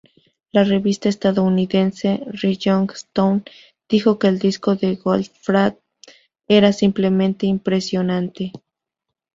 La revista estadounidense "Rolling Stone" dijo que el disco de "Goldfrapp" era simplemente "impresionante".